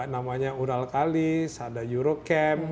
namanya ural kalis ada euro camp